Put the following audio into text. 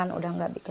dua belas tahun lalu